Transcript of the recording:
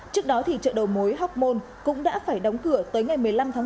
trước đó thì chợ đầu mối hoc mon cũng đã phải đóng cửa tới ngày một mươi năm bảy